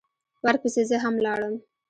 ورپسې زه هم لاړم.